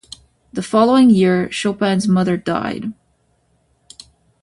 The following year, Chopin's mother died.